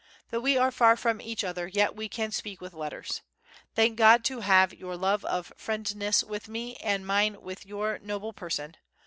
Though we are far from each other yet we can speak with letters. Thank God to have your love of friendness with me and mine with your noble person.